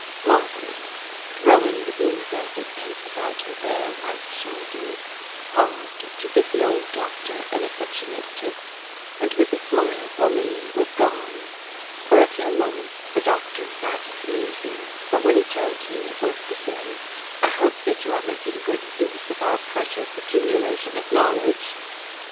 Marguerite, throwing the blue velvet cape about her bare white shoulders, paused to give the old doctor an affectionate kiss, and with a smile for me was gone. For a few moments the doctor sat musing; but when he turned to me it was to say: "I hope that you are making good use of our precious accumulation of knowledge."